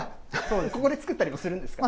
ここで作ったりもするんですか？